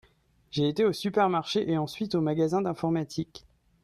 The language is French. J'ai été au supermarché et ensuite au magasin d'informatique.